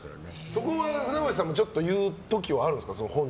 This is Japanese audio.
そこは船越さんも言う時はあるんですか？